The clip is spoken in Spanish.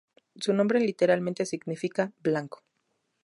Su nombre literalmente significa "blanco".